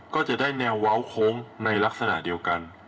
ก็จะได้แนวเว้าโค้งในลักษณะเดียวกัน